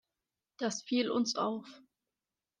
Das fiel uns auf.